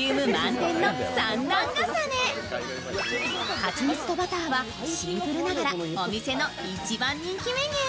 蜂蜜とバターはシンプルながらお店の一番人気メニュー。